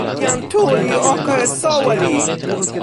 jan Tu li oko e soweli.